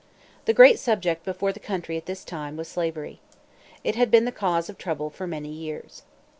The great subject before the country at this time was skivery. It had been the cause of trouble for many years.